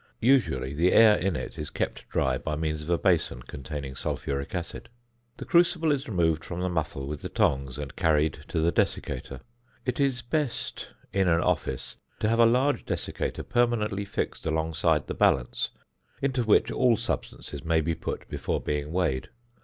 Usually the air in it is kept dry by means of a basin containing sulphuric acid. [Illustration: FIG. 21.] [Illustration: FIG. 22.] [Illustration: FIG. 23.] The crucible is removed from the muffle with the tongs and carried to the desiccator. It is best, in an office, to have a large desiccator permanently fixed alongside the balance, into which all substances may be put before being weighed.